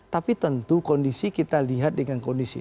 tapi tentu kondisi kita lihat dengan kondisi